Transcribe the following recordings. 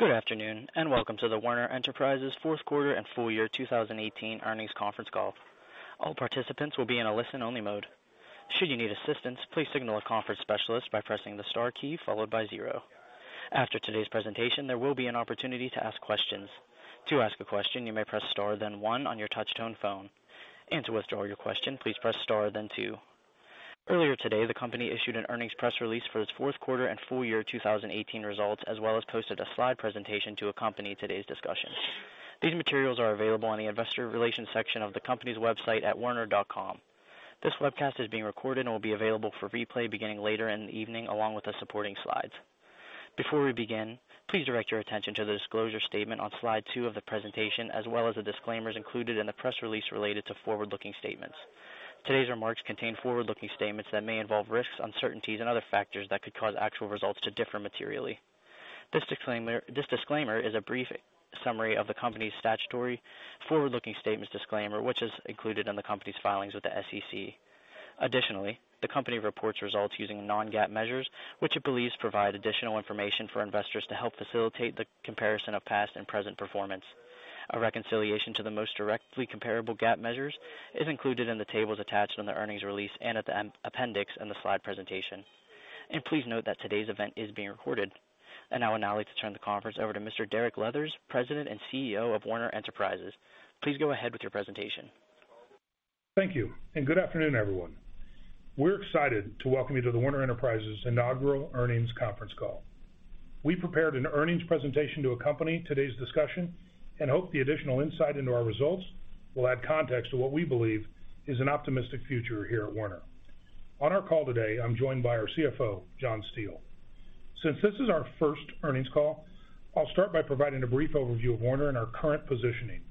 Good afternoon, and welcome to the Werner Enterprises Fourth Quarter and Full Year 2018 Earnings Conference Call. All participants will be in a listen-only mode. Should you need assistance, please signal a conference specialist by pressing the star key, followed by zero. After today's presentation, there will be an opportunity to ask questions. To ask a question, you may press star, then one on your touchtone phone, and to withdraw your question, please press star, then two. Earlier today, the company issued an earnings press release for its Fourth Quarter and Full Year 2018 results, as well as posted a slide presentation to accompany today's discussion. These materials are available on the Investor Relations section of the company's website at werner.com. This webcast is being recorded and will be available for replay beginning later in the evening, along with the supporting slides. Before we begin, please direct your attention to the disclosure statement on slide two of the presentation, as well as the disclaimers included in the press release related to forward-looking statements. Today's remarks contain forward-looking statements that may involve risks, uncertainties, and other factors that could cause actual results to differ materially. This disclaimer is a brief summary of the company's statutory forward-looking statements disclaimer, which is included in the company's filings with the SEC. Additionally, the company reports results using non-GAAP measures, which it believes provide additional information for investors to help facilitate the comparison of past and present performance. A reconciliation to the most directly comparable GAAP measures is included in the tables attached on the earnings release and at the appendix in the slide presentation. Please note that today's event is being recorded. I now would like to turn the conference over to Mr. Derek Leathers, President and CEO of Werner Enterprises. Please go ahead with your presentation. Thank you, and good afternoon, everyone. We're excited to welcome you to the Werner Enterprises Inaugural Earnings Conference Call. We prepared an earnings presentation to accompany today's discussion and hope the additional insight into our results will add context to what we believe is an optimistic future here at Werner. On our call today, I'm joined by our CFO, John Steele. Since this is our first earnings call, I'll start by providing a brief overview of Werner and our current positioning,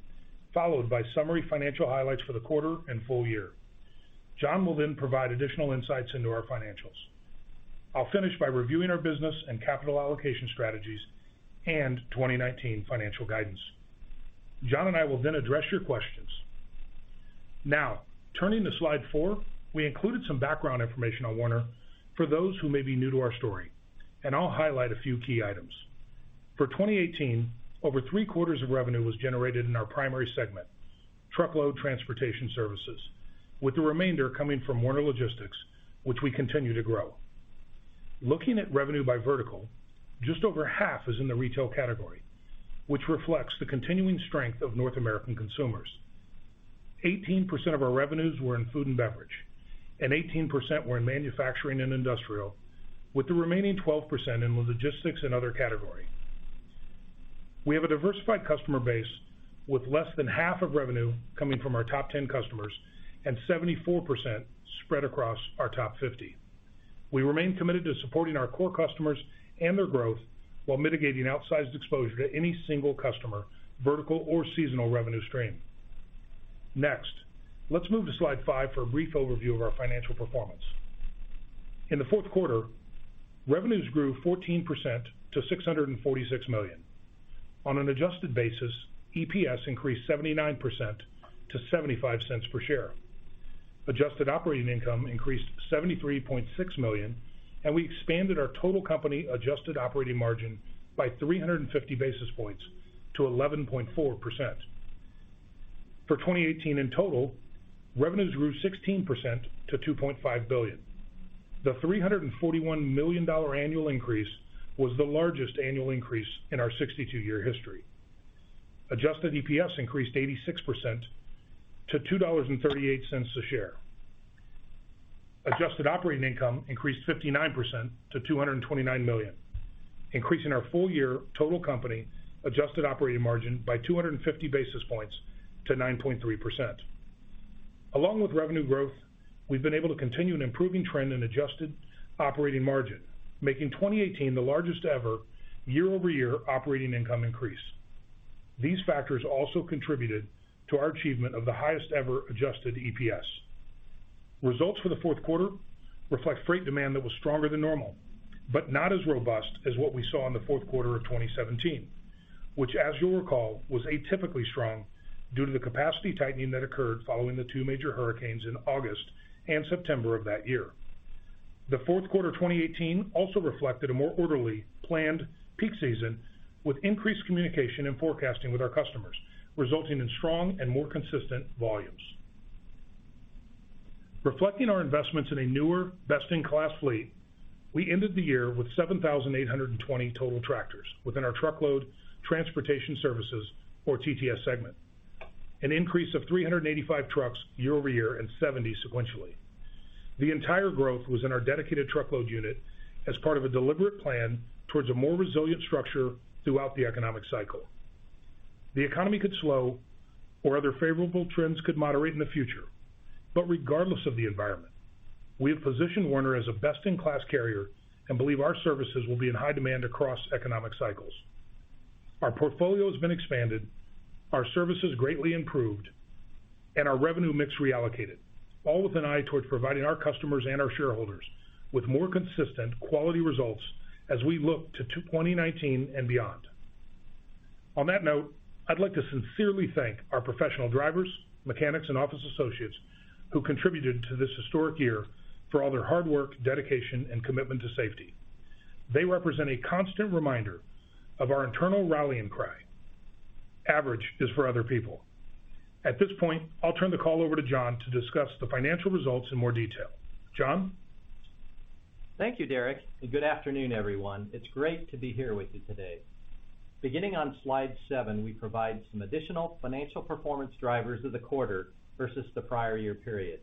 followed by summary financial highlights for the quarter and full year. John will then provide additional insights into our financials. I'll finish by reviewing our business and capital allocation strategies and 2019 financial guidance. John and I will then address your questions. Now, turning to slide four, we included some background information on Werner for those who may be new to our story, and I'll highlight a few key items. For 2018, over three-quarters of revenue was generated in our primary segment, Truckload Transportation Services, with the remainder coming from Werner Logistics, which we continue to grow. Looking at revenue by vertical, just over half is in the retail category, which reflects the continuing strength of North American consumers. 18% of our revenues were in food and beverage, and 18% were in manufacturing and industrial, with the remaining 12% in the Logistics and other category. We have a diversified customer base, with less than half of revenue coming from our top 10 customers and 74% spread across our top 50. We remain committed to supporting our core customers and their growth while mitigating outsized exposure to any single customer, vertical or seasonal revenue stream. Next, let's move to slide five for a brief overview of our financial performance. In the fourth quarter, revenues grew 14% to $646 million. On an adjusted basis, EPS increased 79% to $0.75 per share. Adjusted operating income increased $73.6 million, and we expanded our total company adjusted operating margin by 350 basis points to 11.4%. For 2018 in total, revenues grew 16% to $2.5 billion. The $341 million annual increase was the largest annual increase in our 62-year history. Adjusted EPS increased 86% to $2.38 a share. Adjusted operating income increased 59% to $229 million, increasing our full-year total company adjusted operating margin by 250 basis points to 9.3%. Along with revenue growth, we've been able to continue an improving trend in adjusted operating margin, making 2018 the largest ever year-over-year operating income increase. These factors also contributed to our achievement of the highest ever adjusted EPS. Results for the fourth quarter reflect freight demand that was stronger than normal, but not as robust as what we saw in the fourth quarter of 2017, which, as you'll recall, was atypically strong due to the capacity tightening that occurred following the two major hurricanes in August and September of that year. The fourth quarter 2018 also reflected a more orderly, planned peak season with increased communication and forecasting with our customers, resulting in strong and more consistent volumes. Reflecting our investments in a newer, best-in-class fleet, we ended the year with 7,820 total tractors within our Truckload Transportation Services, or TTS segment, an increase of 385 trucks year-over-year and 70 sequentially. The entire growth was in our Dedicated truckload unit as part of a deliberate plan towards a more resilient structure throughout the economic cycle. The economy could slow or other favorable trends could moderate in the future, but regardless of the environment, we have positioned Werner as a best-in-class carrier and believe our services will be in high demand across economic cycles. Our portfolio has been expanded, our services greatly improved, and our revenue mix reallocated, all with an eye towards providing our customers and our shareholders with more consistent, quality results as we look to 2019 and beyond... On that note, I'd like to sincerely thank our professional drivers, mechanics, and office associates who contributed to this historic year for all their hard work, dedication, and commitment to safety. They represent a constant reminder of our internal rallying cry, Average Is For Other People. At this point, I'll turn the call over to John to discuss the financial results in more detail. John? Thank you, Derek, and good afternoon, everyone. It's great to be here with you today. Beginning on slide seven, we provide some additional financial performance drivers of the quarter versus the prior year period.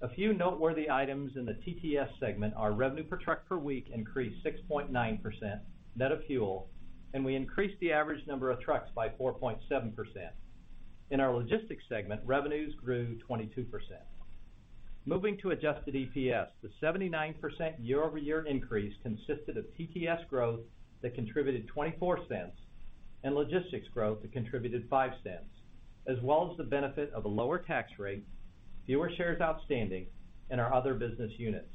A few noteworthy items in the TTS segment, our revenue per truck per week increased 6.9% net of fuel, and we increased the average number of trucks by 4.7%. In our Logistics segment, revenues grew 22%. Moving to adjusted EPS, the 79% year-over-year increase consisted of TTS growth that contributed $0.24, and Logistics growth that contributed $0.05, as well as the benefit of a lower tax rate, fewer shares outstanding, and our other business units.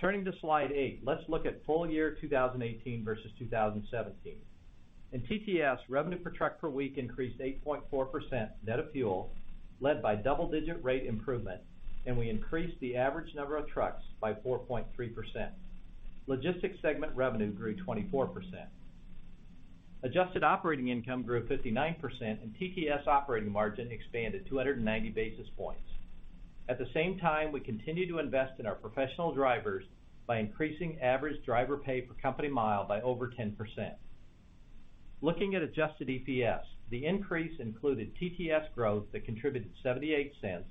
Turning to slide eight, let's look at full year 2018 versus 2017. In TTS, revenue per truck per week increased 8.4% net of fuel, led by double-digit rate improvement, and we increased the average number of trucks by 4.3%. Logistics segment revenue grew 24%. Adjusted operating income grew 59%, and TTS operating margin expanded 290 basis points. At the same time, we continued to invest in our professional drivers by increasing average driver pay per company mile by over 10%. Looking at adjusted EPS, the increase included TTS growth that contributed $0.78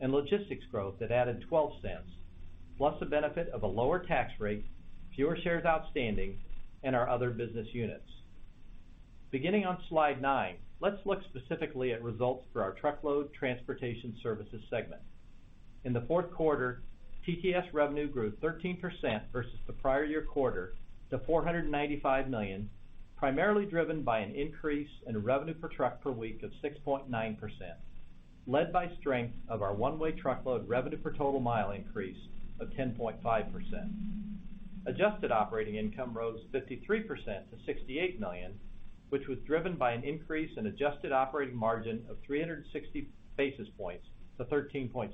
and Logistics growth that added $0.12, plus the benefit of a lower tax rate, fewer shares outstanding, and our other business units. Beginning on slide nine, let's look specifically at results for our Truckload Transportation Services segment. In the fourth quarter, TTS revenue grew 13% versus the prior year quarter to $495 million, primarily driven by an increase in revenue per truck per week of 6.9%, led by strength of our One-Way Truckload revenue per total mile increase of 10.5%. Adjusted operating income rose 53% to $68 million, which was driven by an increase in adjusted operating margin of 360 basis points to 13.7%.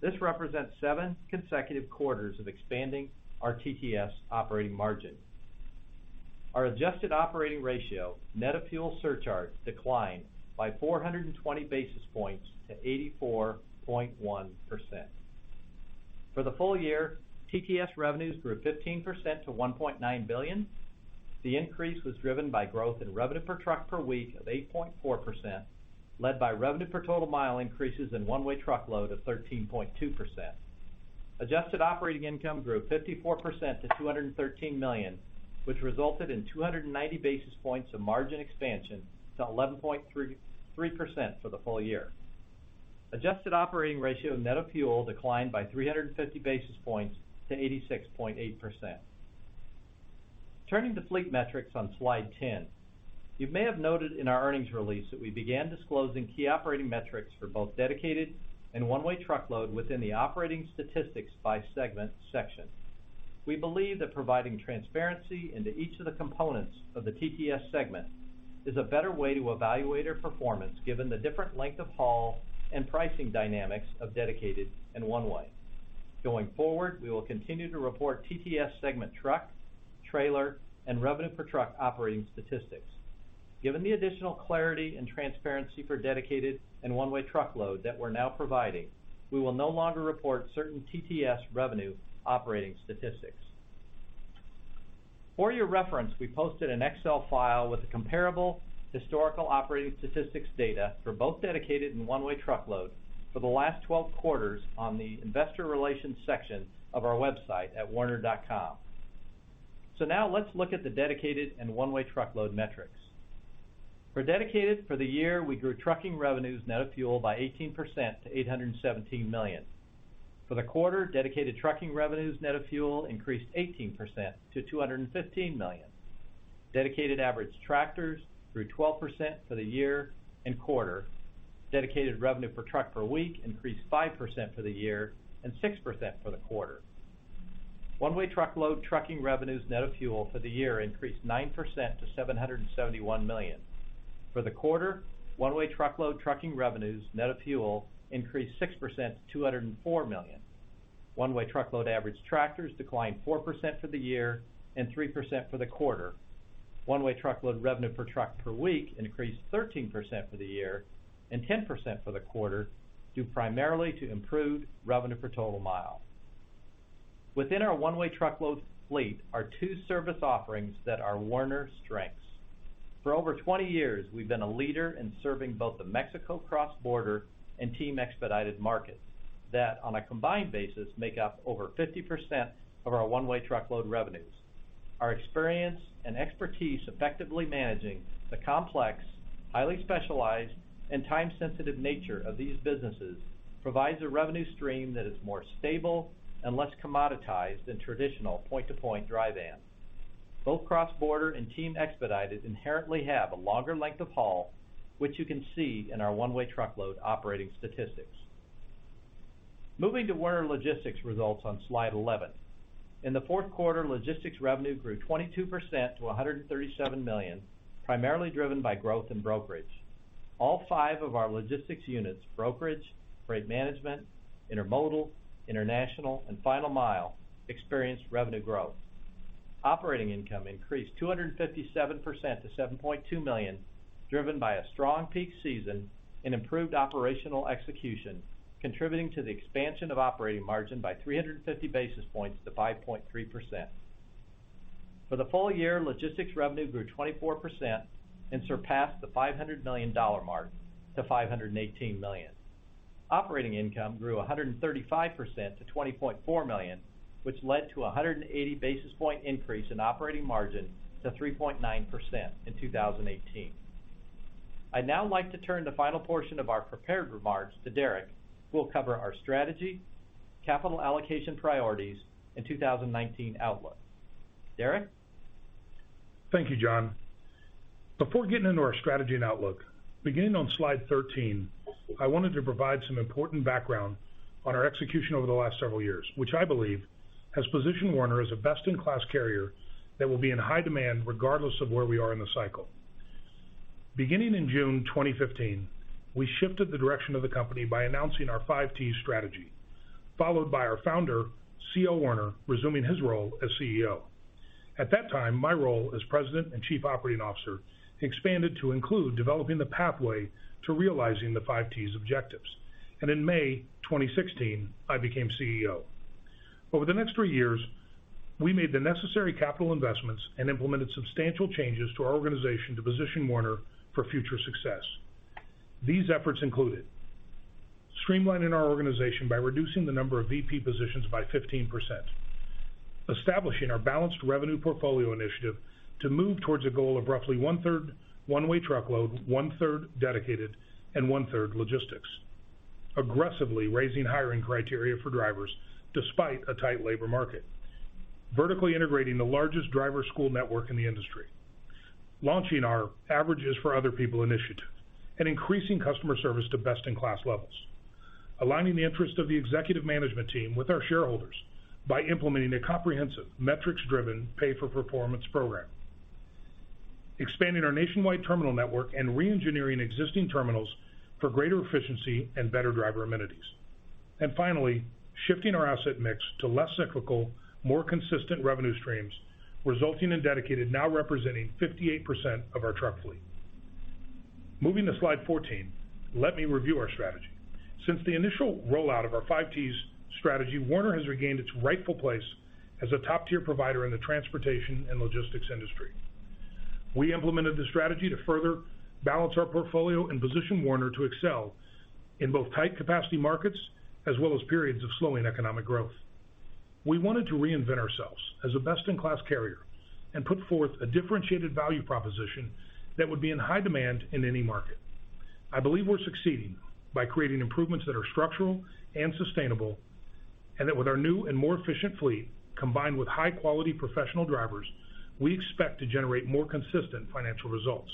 This represents seven consecutive quarters of expanding our TTS operating margin. Our adjusted operating ratio, net of fuel surcharge, declined by 420 basis points to 84.1%. For the full year, TTS revenues grew 15% to $1.9 billion. The increase was driven by growth in revenue per truck per week of 8.4%, led by revenue per total mile increases in One-Way Truckload of 13.2%. Adjusted operating income grew 54% to $213 million, which resulted in 290 basis points of margin expansion to 11.3% for the full year. Adjusted operating ratio of net of fuel declined by 350 basis points to 86.8%. Turning to fleet metrics on slide 10, you may have noted in our earnings release that we began disclosing key operating metrics for both Dedicated and One-Way Truckload within the operating statistics by segment section. We believe that providing transparency into each of the components of the TTS segment is a better way to evaluate our performance, given the different length of haul and pricing dynamics of Dedicated and One-Way. Going forward, we will continue to report TTS segment truck, trailer, and revenue per truck operating statistics. Given the additional clarity and transparency for Dedicated and One-Way Truckload that we're now providing, we will no longer report certain TTS revenue operating statistics. For your reference, we posted an Excel file with the comparable historical operating statistics data for both Dedicated and One-Way Truckload for the last 12 quarters on the Investor Relations section of our website at werner.com. So now let's look at the Dedicated and One-Way Truckload metrics. For Dedicated, for the year, we grew trucking revenues net of fuel by 18% to $817 million. For the quarter, Dedicated trucking revenues net of fuel increased 18% to $215 million. Dedicated average tractors grew 12% for the year and quarter. Dedicated revenue per truck per week increased 5% for the year and 6% for the quarter. One-Way Truckload trucking revenues net of fuel for the year increased 9% to $771 million. For the quarter, One-Way Truckload trucking revenues net of fuel increased 6% to $204 million. One-Way Truckload average tractors declined 4% for the year and 3% for the quarter. One-Way Truckload revenue per truck per week increased 13% for the year and 10% for the quarter, due primarily to improved revenue per total mile. Within our One-Way Truckload fleet are two service offerings that are Werner's strengths. For over 20 years, we've been a leader in serving both the Mexico Cross-Border and Team Expedited markets that, on a combined basis, make up over 50% of our One-Way Truckload revenues. Our experience and expertise effectively managing the complex, highly specialized, and time-sensitive nature of these businesses provides a revenue stream that is more stable and less commoditized than traditional point-to-point dry van. Both cross-border and Team Expedited inherently have a longer length of haul, which you can see in our One-Way Truckload operating statistics... Moving to Werner Logistics results on slide 11. In the fourth quarter, Logistics revenue grew 22% to $137 million, primarily driven by growth in brokerage. All five of our Logistics units, Brokerage, Freight Management, Intermodal, International, and Final Mile, experienced revenue growth. Operating income increased 257% to $7.2 million, driven by a strong peak season and improved operational execution, contributing to the expansion of operating margin by 350 basis points to 5.3%. For the full year, Logistics revenue grew 24% and surpassed the $500 million mark to $518 million. Operating income grew 135% to $20.4 million, which led to a 180 basis point increase in operating margin to 3.9% in 2018. I'd now like to turn the final portion of our prepared remarks to Derek, who will cover our strategy, capital allocation priorities, and 2019 outlook. Derek? Thank you, John. Before getting into our strategy and outlook, beginning on slide 13, I wanted to provide some important background on our execution over the last several years, which I believe has positioned Werner as a best-in-class carrier that will be in high demand regardless of where we are in the cycle. Beginning in June 2015, we shifted the direction of the company by announcing our Five T's strategy, followed by our founder, C.L. Werner, resuming his role as CEO. At that time, my role as President and Chief Operating Officer expanded to include developing the pathway to realizing the Five T's objectives, and in May 2016, I became CEO. Over the next three years, we made the necessary capital investments and implemented substantial changes to our organization to position Werner for future success. These efforts included streamlining our organization by reducing the number of VP positions by 15%, establishing our balanced revenue portfolio initiative to move towards a goal of roughly one-third One-Way Truckload, one-third Dedicated, and one-third Logistics. Aggressively raising hiring criteria for drivers despite a tight labor market, vertically integrating the largest driver school network in the industry, launching our Average Is For Other People initiative, and increasing customer service to best-in-class levels, aligning the interest of the executive management team with our shareholders by implementing a comprehensive, metrics-driven pay-for-performance program, expanding our nationwide terminal network and reengineering existing terminals for greater efficiency and better driver amenities. And finally, shifting our asset mix to less cyclical, more consistent revenue streams, resulting in Dedicated now representing 58% of our truck fleet. Moving to slide 14, let me review our strategy. Since the initial rollout of our Five T's strategy, Werner has regained its rightful place as a top-tier provider in the transportation and Logistics industry. We implemented the strategy to further balance our portfolio and position Werner to excel in both tight capacity markets, as well as periods of slowing economic growth. We wanted to reinvent ourselves as a best-in-class carrier and put forth a differentiated value proposition that would be in high demand in any market. I believe we're succeeding by creating improvements that are structural and sustainable, and that with our new and more efficient fleet, combined with high-quality professional drivers, we expect to generate more consistent financial results.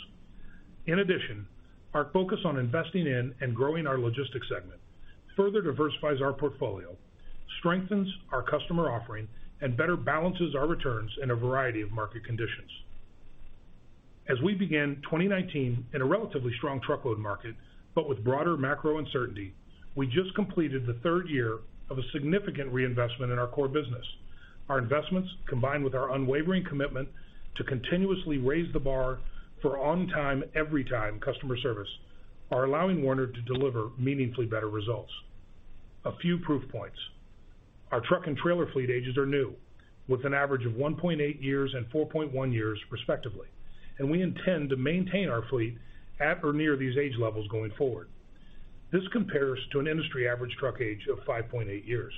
In addition, our focus on investing in and growing our Logistics segment further diversifies our portfolio, strengthens our customer offering, and better balances our returns in a variety of market conditions. As we begin 2019 in a relatively strong truckload market, but with broader macro uncertainty, we just completed the third year of a significant reinvestment in our core business. Our investments, combined with our unwavering commitment to continuously raise the bar for on time, every time customer service, are allowing Werner to deliver meaningfully better results. A few proof points. Our truck and trailer fleet ages are new, with an average of 1.8 years and 4.1 years, respectively, and we intend to maintain our fleet at or near these age levels going forward. This compares to an industry average truck age of 5.8 years.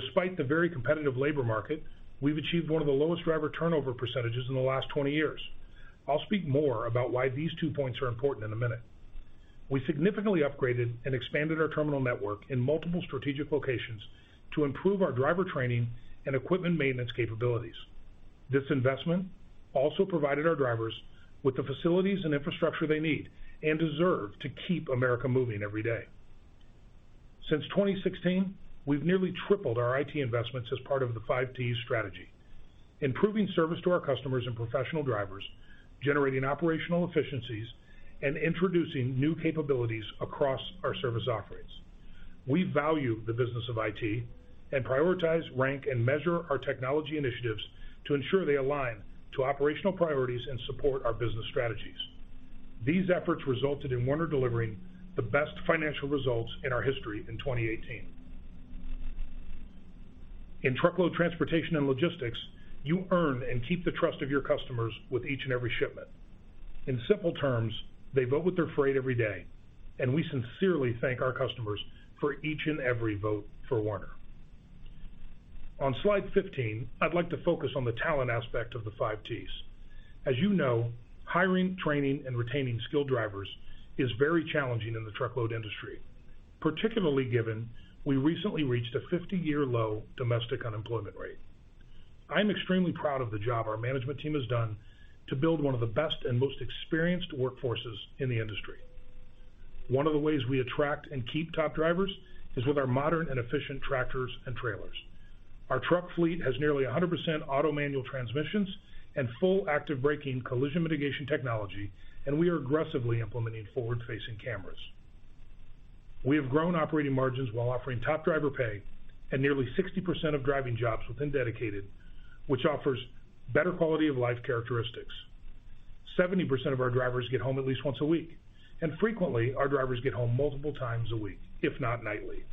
Despite the very competitive labor market, we've achieved one of the lowest driver turnover percentages in the last 20 years. I'll speak more about why these two points are important in a minute. We significantly upgraded and expanded our terminal network in multiple strategic locations to improve our driver training and equipment maintenance capabilities. This investment also provided our drivers with the facilities and infrastructure they need and deserve to keep America moving every day. Since 2016, we've nearly tripled our IT investments as part of the Five T's strategy, improving service to our customers and professional drivers, generating operational efficiencies, and introducing new capabilities across our service offerings. We value the business of IT and prioritize, rank, and measure our technology initiatives to ensure they align to operational priorities and support our business strategies. These efforts resulted in Werner delivering the best financial results in our history in 2018. In truckload, transportation, and Logistics, you earn and keep the trust of your customers with each and every shipment. In simple terms, they vote with their freight every day, and we sincerely thank our customers for each and every vote for Werner. On slide 15, I'd like to focus on the talent aspect of the Five T's. As you know, hiring, training, and retaining skilled drivers is very challenging in the truckload industry, particularly given we recently reached a 50-year low domestic unemployment rate. I'm extremely proud of the job our management team has done to build one of the best and most experienced workforces in the industry. One of the ways we attract and keep top drivers is with our modern and efficient tractors and trailers. Our truck fleet has nearly 100% automated manual transmissions and full active braking collision mitigation technology, and we are aggressively implementing forward-facing cameras. We have grown operating margins while offering top driver pay and nearly 60% of driving jobs within Dedicated, which offers better quality of life characteristics. 70% of our drivers get home at least once a week, and frequently, our drivers get home multiple times a week, if not nightly.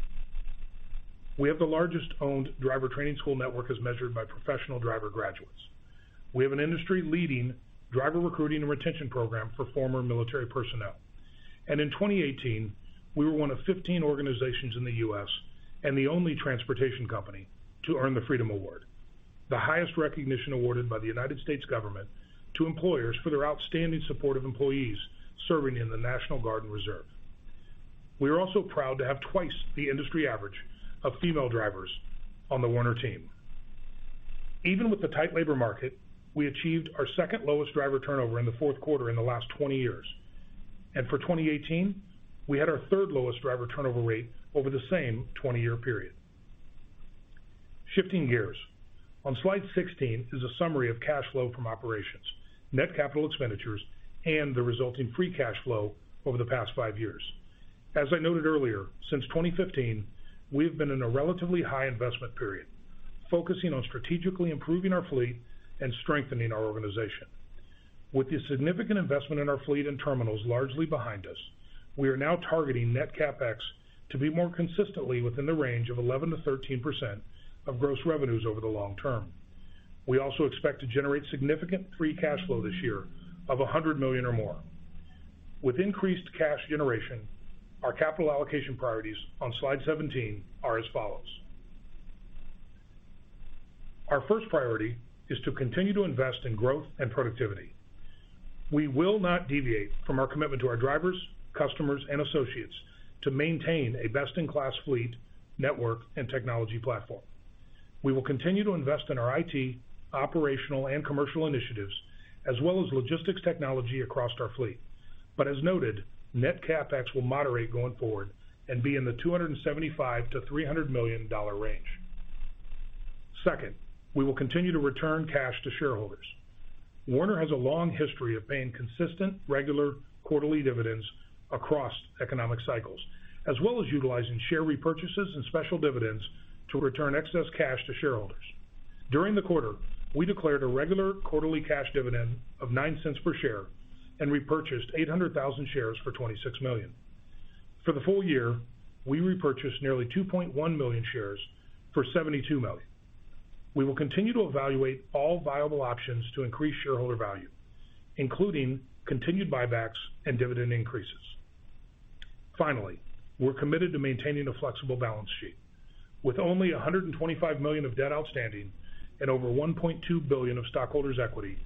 We have the largest owned driver training school network as measured by professional driver graduates. We have an industry-leading driver recruiting and retention program for former military personnel, and in 2018, we were one of 15 organizations in the U.S., and the only transportation company, to earn the Freedom Award, the highest recognition awarded by the U.S. government to employers for their outstanding support of employees serving in the National Guard and Reserve. We are also proud to have twice the industry average of female drivers on the Werner team. Even with the tight labor market, we achieved our second-lowest driver turnover in the fourth quarter in the last 20 years. For 2018, we had our third-lowest driver turnover rate over the same 20-year period. Shifting gears, on slide 16 is a summary of cash flow from operations, net capital expenditures, and the resulting free cash flow over the past five years. As I noted earlier, since 2015, we've been in a relatively high investment period, focusing on strategically improving our fleet and strengthening our organization. With the significant investment in our fleet and terminals largely behind us, we are now targeting net CapEx to be more consistently within the range of 11%-13% of gross revenues over the long term. We also expect to generate significant free cash flow this year of $100 million or more. With increased cash generation, our capital allocation priorities on slide 17 are as follows. Our first priority is to continue to invest in growth and productivity. We will not deviate from our commitment to our drivers, customers, and associates to maintain a best-in-class fleet, network, and technology platform. We will continue to invest in our IT, operational, and commercial initiatives, as well as Logistics technology across our fleet. But as noted, net CapEx will moderate going forward and be in the $275 million-$300 million range. Second, we will continue to return cash to shareholders. Werner has a long history of paying consistent, regular quarterly dividends across economic cycles, as well as utilizing share repurchases and special dividends to return excess cash to shareholders. During the quarter, we declared a regular quarterly cash dividend of $0.09 per share and repurchased 800,000 shares for $26 million. For the full year, we repurchased nearly 2.1 million shares for $72 million. We will continue to evaluate all viable options to increase shareholder value, including continued buybacks and dividend increases. Finally, we're committed to maintaining a flexible balance sheet. With only $125 million of debt outstanding and over $1.2 billion of stockholders' equity,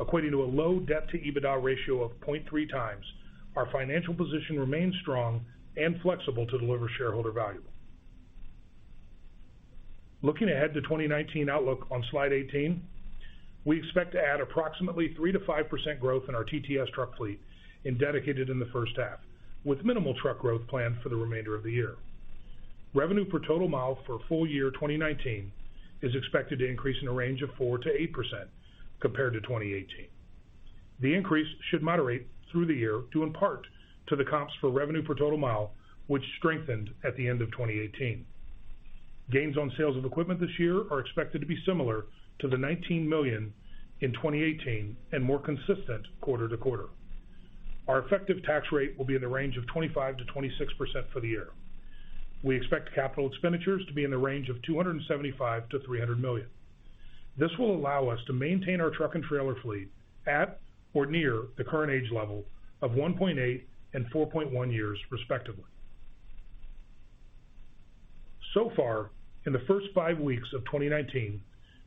equating to a low debt-to-EBITDA ratio of 0.3 times, our financial position remains strong and flexible to deliver shareholder value. Looking ahead to 2019 outlook on slide 18, we expect to add approximately 3%-5% growth in our TTS truck fleet in Dedicated in the first half, with minimal truck growth planned for the remainder of the year. Revenue per total mile for full year 2019 is expected to increase in a range of 4%-8% compared to 2018. The increase should moderate through the year to impact the comps for revenue per total mile, which strengthened at the end of 2018. Gains on sales of equipment this year are expected to be similar to the $19 million in 2018 and more consistent quarter-to-quarter. Our effective tax rate will be in the range of 25%-26% for the year. We expect capital expenditures to be in the range of $275 million-$300 million. This will allow us to maintain our truck and trailer fleet at or near the current age level of 1.8 and 4.1 years, respectively. So far, in the first five weeks of 2019,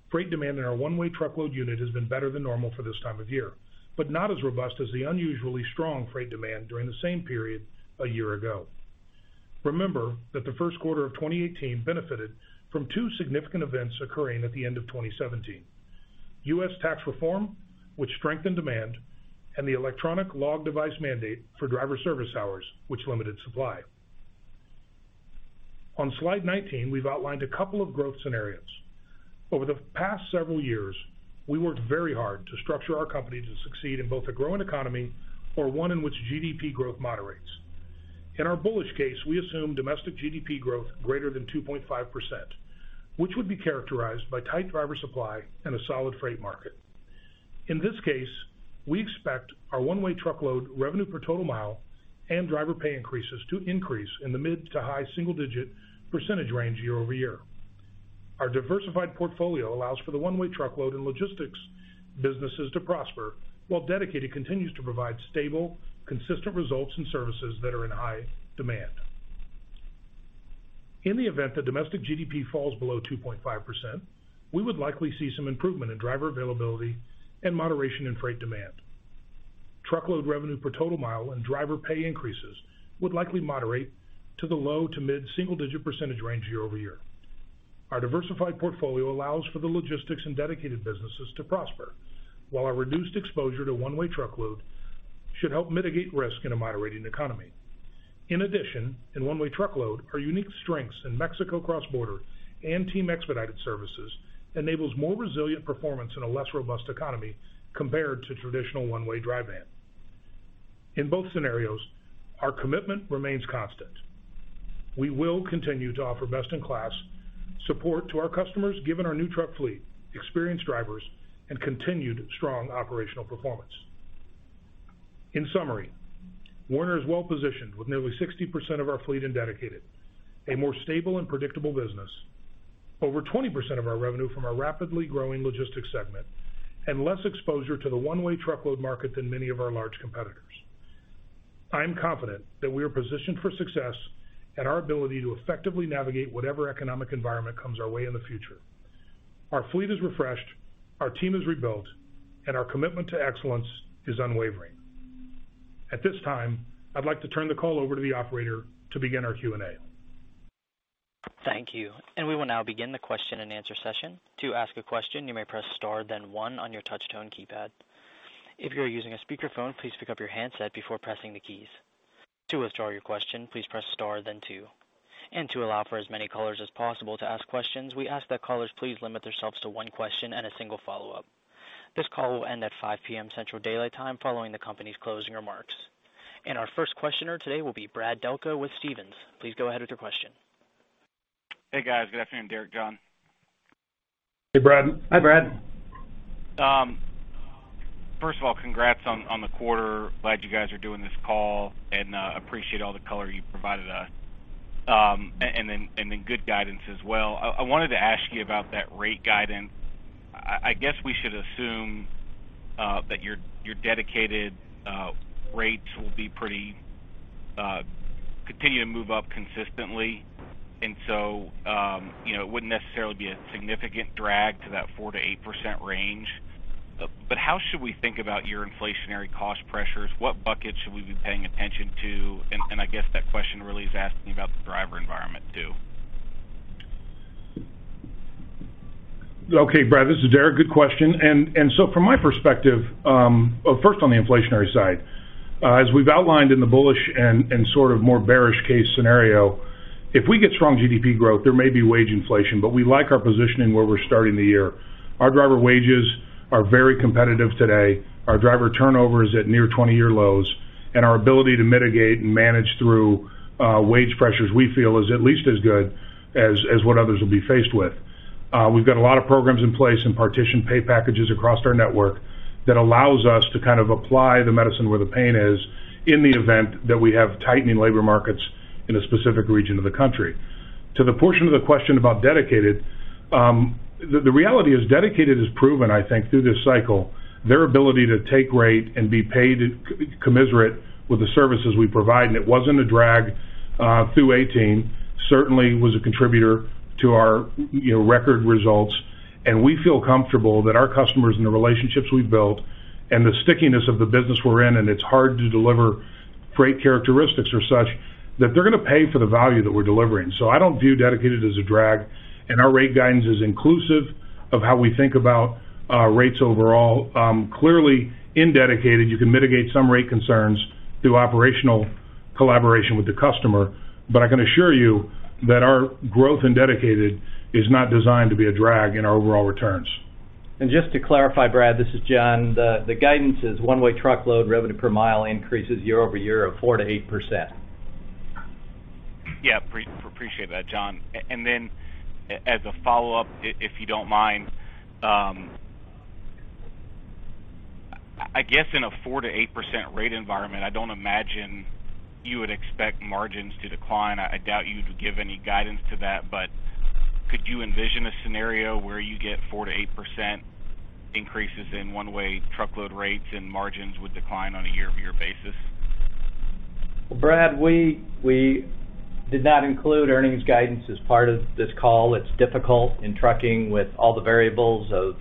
freight demand in our One-Way Truckload unit has been better than normal for this time of year, but not as robust as the unusually strong freight demand during the same period a year ago. Remember that the first quarter of 2018 benefited from two significant events occurring at the end of 2017: U.S. tax reform, which strengthened demand, and the Electronic Log Device mandate for driver service hours, which limited supply. On slide 19, we've outlined a couple of growth scenarios. Over the past several years, we worked very hard to structure our company to succeed in both a growing economy or one in which GDP growth moderates. In our bullish case, we assume domestic GDP growth greater than 2.5%, which would be characterized by tight driver supply and a solid freight market. In this case, we expect our One-Way Truckload revenue per total mile and driver pay increases to increase in the mid- to high-single-digit % range year-over-year. Our diversified portfolio allows for the One-Way Truckload and Logistics businesses to prosper, while Dedicated continues to provide stable, consistent results and services that are in high demand. In the event that domestic GDP falls below 2.5%, we would likely see some improvement in driver availability and moderation in freight demand.... truckload revenue per total mile and driver pay increases would likely moderate to the low- to mid-single-digit % range year-over-year. Our diversified portfolio allows for the Logistics and Dedicated businesses to prosper, while our reduced exposure to One-Way Truckload should help mitigate risk in a moderating economy. In addition, in One-Way Truckload, our unique strengths in Mexico cross-border and Team Expedited services enables more resilient performance in a less robust economy compared to traditional One-Way dry van. In both scenarios, our commitment remains constant. We will continue to offer best-in-class support to our customers, given our new truck fleet, experienced drivers, and continued strong operational performance. In summary, Werner is well positioned with nearly 60% of our fleet in Dedicated, a more stable and predictable business, over 20% of our revenue from our rapidly growing Logistics segment, and less exposure to the One-Way Truckload market than many of our large competitors. I'm confident that we are positioned for success and our ability to effectively navigate whatever economic environment comes our way in the future. Our fleet is refreshed, our team is rebuilt, and our commitment to excellence is unwavering. At this time, I'd like to turn the call over to the Operator to begin our Q&A. Thank you. We will now begin the question-and-answer session. To ask a question, you may press star, then one on your touchtone keypad. If you are using a speakerphone, please pick up your handset before pressing the keys. To withdraw your question, please press star then two. To allow for as many callers as possible to ask questions, we ask that callers please limit themselves to one question and a single follow-up. This call will end at 5:00 P.M. Central Daylight Time, following the company's closing remarks. Our first questioner today will be Brad Delco with Stephens. Please go ahead with your question. Hey, guys. Good afternoon, Derek, John. Hey, Brad. Hi, Brad. First of all, congrats on the quarter. Glad you guys are doing this call, and appreciate all the color you provided us. And then good guidance as well. I wanted to ask you about that rate guidance. I guess we should assume that your Dedicated rates will be pretty continue to move up consistently, and so, you know, it wouldn't necessarily be a significant drag to that 4%-8% range. But how should we think about your inflationary cost pressures? What bucket should we be paying attention to? And I guess that question really is asking about the driver environment, too. Okay, Brad, this is Derek. Good question. And so from my perspective, well, first on the inflationary side, as we've outlined in the bullish and sort of more bearish case scenario, if we get strong GDP growth, there may be wage inflation, but we like our positioning where we're starting the year. Our driver wages are very competitive today. Our driver turnover is at near 20-year lows, and our ability to mitigate and manage through wage pressures, we feel, is at least as good as what others will be faced with. We've got a lot of programs in place and partition pay packages across our network that allows us to kind of apply the medicine where the pain is in the event that we have tightening labor markets in a specific region of the country. To the portion of the question about Dedicated, the reality is Dedicated has proven, I think, through this cycle, their ability to take rate and be paid commensurate with the services we provide, and it wasn't a drag through 2018, certainly was a contributor to our, you know, record results. And we feel comfortable that our customers and the relationships we've built and the stickiness of the business we're in, and it's hard to deliver great characteristics or such, that they're gonna pay for the value that we're delivering. So I don't view Dedicated as a drag, and our rate guidance is inclusive of how we think about rates overall. Clearly, in Dedicated, you can mitigate some rate concerns through operational collaboration with the customer, but I can assure you that our growth in Dedicated is not designed to be a drag in our overall returns. Just to clarify, Brad, this is John. The guidance is One-Way Truckload revenue per mile increases year-over-year of 4%-8%. Yeah, appreciate that, John. And then as a follow-up, if you don't mind, I guess in a 4%-8% rate environment, I don't imagine you would expect margins to decline. I doubt you'd give any guidance to that, but could you envision a scenario where you get 4%-8% increases in One-Way Truckload rates and margins would decline on a year-over-year basis? Brad, we did not include earnings guidance as part of this call. It's difficult in trucking with all the variables of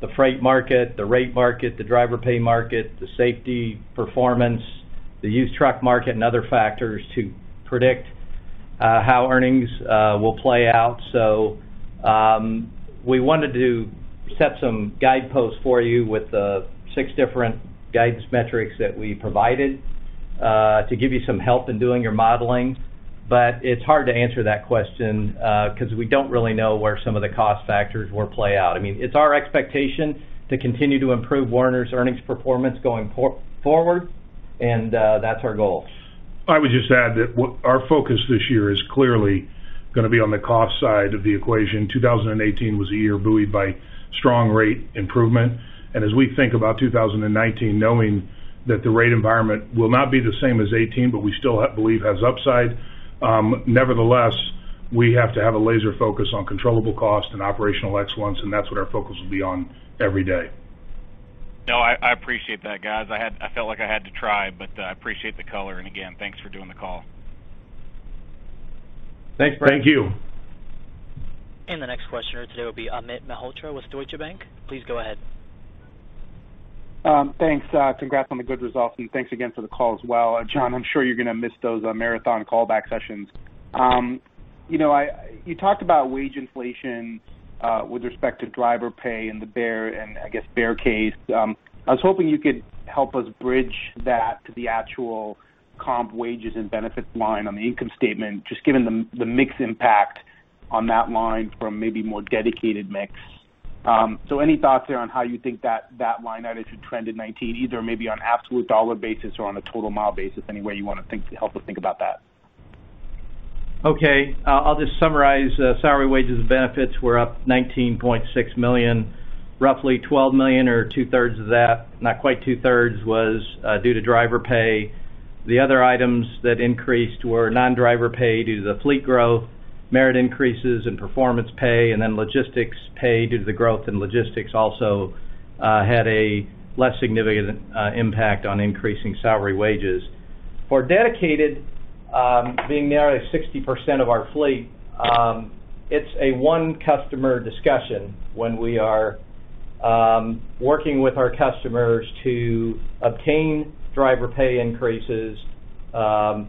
the freight market, the rate market, the driver pay market, the safety, performance, the used truck market, and other factors to predict how earnings will play out. So, we wanted to set some guideposts for you with the six different guidance metrics that we provided to give you some help in doing your modeling. But it's hard to answer that question because we don't really know where some of the cost factors will play out. I mean, it's our expectation to continue to improve Werner's earnings performance going forward, and that's our goal. I would just add that what our focus this year is clearly gonna be on the cost side of the equation. 2018 was a year buoyed by strong rate improvement, and as we think about 2019, knowing that the rate environment will not be the same as 2018, but we still believe has upside, nevertheless, we have to have a laser focus on controllable cost and operational excellence, and that's what our focus will be on every day. No, I, I appreciate that, guys. I had, I felt like I had to try, but, I appreciate the color, and again, thanks for doing the call.... Thank you. The next questioner today will be Amit Mehrotra with Deutsche Bank. Please go ahead. Thanks. Congrats on the good results, and thanks again for the call as well. John, I'm sure you're going to miss those marathon callback sessions. You know, you talked about wage inflation with respect to driver pay and the bear, and I guess, bear case. I was hoping you could help us bridge that to the actual comp wages and benefits line on the income statement, just given the mix impact on that line from maybe more Dedicated mix. So any thoughts there on how you think that line item should trend in 2019, either maybe on absolute dollar basis or on a total mile basis, any way you want to think, to help us think about that? Okay, I'll just summarize. Salary, wages, and benefits were up $19.6 million, roughly $12 million or 2/3 of that, not quite 2/3, was due to driver pay. The other items that increased were non-driver pay due to the fleet growth, merit increases and performance pay, and then Logistics pay due to the growth in Logistics also had a less significant impact on increasing salary wages. For Dedicated, being nearly 60% of our fleet, it's a one-customer discussion when we are working with our customers to obtain driver pay increases for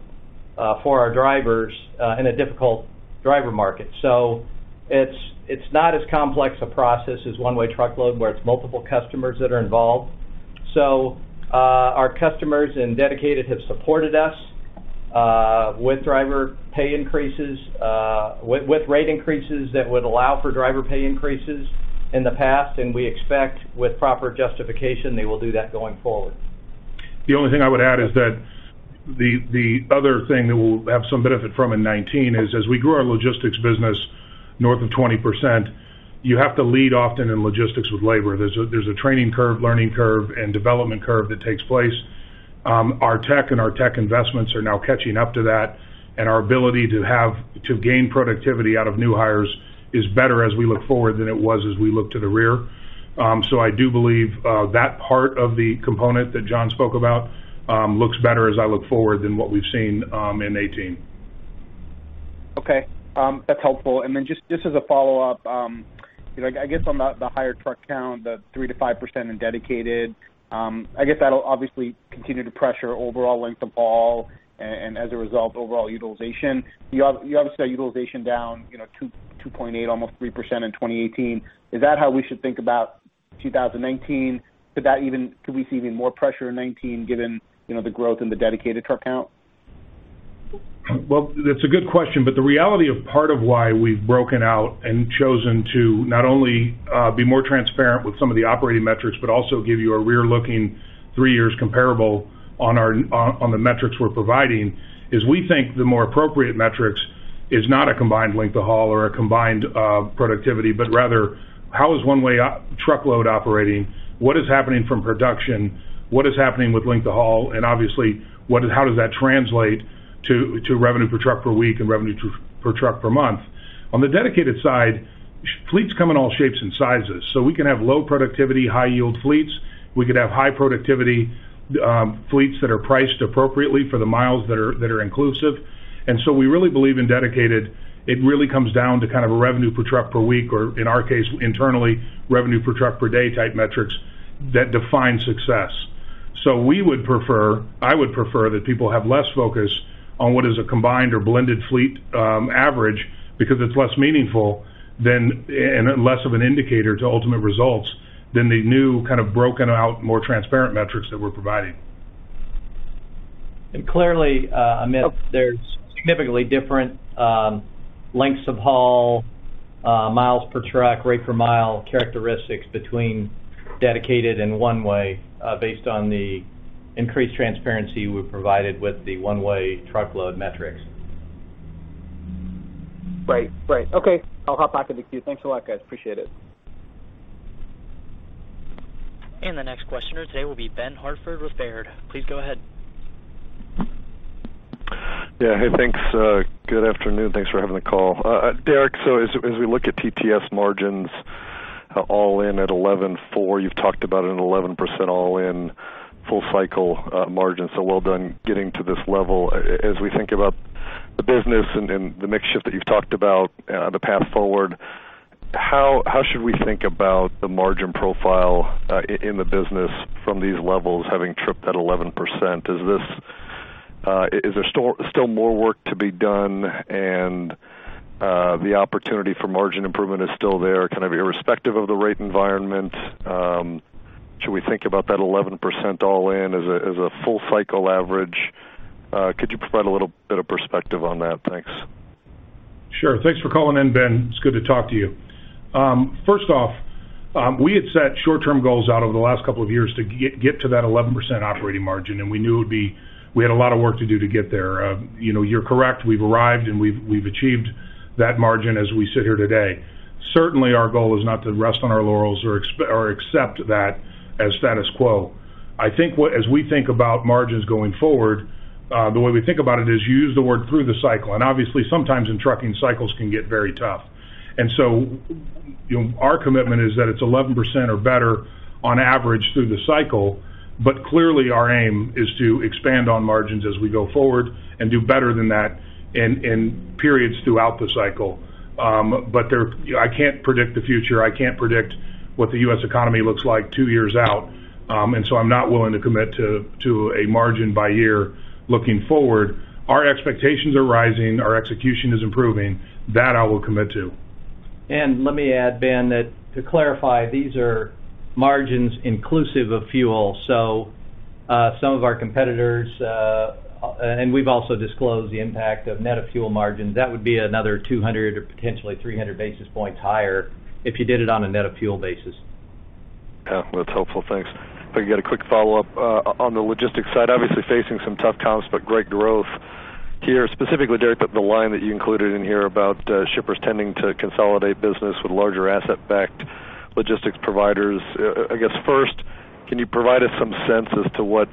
our drivers in a difficult driver market. So it's not as complex a process as One-Way Truckload, where it's multiple customers that are involved. Our customers in Dedicated have supported us with driver pay increases with rate increases that would allow for driver pay increases in the past, and we expect, with proper justification, they will do that going forward. The only thing I would add is that the other thing that we'll have some benefit from in 2019 is as we grew our Logistics business north of 20%, you have to lead often in Logistics with labor. There's a training curve, learning curve, and development curve that takes place. Our tech investments are now catching up to that, and our ability to have to gain productivity out of new hires is better as we look forward than it was as we look to the rear. So I do believe that part of the component that John spoke about looks better as I look forward than what we've seen in 2018. Okay, that's helpful. And then just as a follow-up, you know, I guess, on the higher truck count, the 3%-5% in Dedicated, I guess that'll obviously continue to pressure overall length of haul, and as a result, overall utilization. You obviously have utilization down, you know, 2.8%, almost 3% in 2018. Is that how we should think about 2019? Could that even... Could we see even more pressure in 2019, given, you know, the growth in the Dedicated truck count? Well, that's a good question, but the reality of part of why we've broken out and chosen to not only be more transparent with some of the operating metrics, but also give you a rear-looking three years comparable on our, on, on the metrics we're providing, is we think the more appropriate metrics is not a combined length of haul or a combined productivity, but rather, how is One-Way Truckload operating? What is happening from production? What is happening with length of haul? And obviously, how does that translate to, to revenue per truck per week and revenue per truck per month? On the Dedicated side, fleets come in all shapes and sizes, so we can have low productivity, high-yield fleets. We could have high productivity fleets that are priced appropriately for the miles that are inclusive. And so we really believe in Dedicated, it really comes down to kind of a revenue per truck per week, or in our case, internally, revenue per truck per day type metrics that define success. So we would prefer, I would prefer that people have less focus on what is a combined or blended fleet, average because it's less meaningful than, and less of an indicator to ultimate results than the new kind of broken out, more transparent metrics that we're providing. Clearly, Amit, there's significantly different lengths of haul, miles per truck, rate per mile characteristics between Dedicated and One-Way, based on the increased transparency we've provided with the One-Way Truckload metrics. Right. Right. Okay, I'll hop back in the queue. Thanks a lot, guys. Appreciate it. The next questioner today will be Ben Hartford with Baird. Please go ahead. Yeah. Hey, thanks. Good afternoon. Thanks for having the call. Derek, so as we look at TTS margins, all-in at 11.4, you've talked about an 11% all-in full cycle margin, so well done getting to this level. As we think about the business and the mix shift that you've talked about, the path forward, how should we think about the margin profile in the business from these levels, having troughed at 11%? Is there still more work to be done, and the opportunity for margin improvement is still there, kind of irrespective of the rate environment? Should we think about that 11% all-in as a full cycle average? Could you provide a little bit of perspective on that? Thanks. Sure. Thanks for calling in, Ben. It's good to talk to you. First off, we had set short-term goals out over the last couple of years to get to that 11% operating margin, and we knew it would be... We had a lot of work to do to get there. You know, you're correct. We've arrived, and we've achieved that margin as we sit here today. Certainly, our goal is not to rest on our laurels or expect or accept that as status quo. I think what, as we think about margins going forward, the way we think about it is, you use the word through the cycle, and obviously, sometimes in trucking, cycles can get very tough.... So, you know, our commitment is that it's 11% or better on average through the cycle, but clearly, our aim is to expand on margins as we go forward and do better than that in periods throughout the cycle. But I can't predict the future. I can't predict what the U.S. economy looks like two years out, and so I'm not willing to commit to a margin by year looking forward. Our expectations are rising, our execution is improving. That I will commit to. And let me add, Ben, that to clarify, these are margins inclusive of fuel. So, some of our competitors, and we've also disclosed the impact of net of fuel margins, that would be another 200 or potentially 300 basis points higher if you did it on a net of fuel basis. Yeah, that's helpful. Thanks. If I could get a quick follow-up on the Logistics side, obviously, facing some tough times, but great growth here, specifically, Derek, but the line that you included in here about shippers tending to consolidate business with larger asset-backed Logistics providers. I guess, first, can you provide us some sense as to what